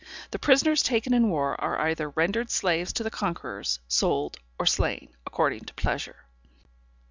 The prisoners taken in war are either rendered slaves to the conquerors, sold, or slain, according to pleasure.